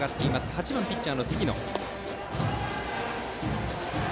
８番ピッチャーの月野。